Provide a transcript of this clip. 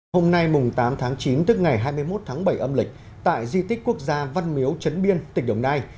hôm nay mùng tám tháng chín tức ngày hai mươi một tháng bảy âm lịch tại di tích quốc gia văn miếu trấn biên tỉnh đồng nai